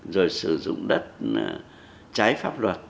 rồi sử dụng đất trái pháp luật